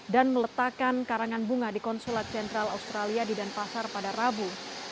dan meletakkan karangan bunga di konsulat jenderal australia di danpasar pada rabu